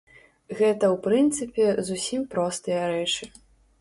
Гэта, у прынцыпе, зусім простыя рэчы.